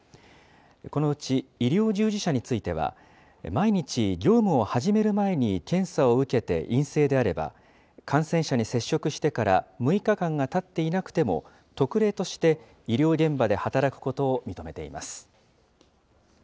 このうち医療従事者については、毎日業務を始める前に検査を受けて陰性であれば、感染者に接触してから６日間がたっていなくても特例として、医療現場で働くことを認めています。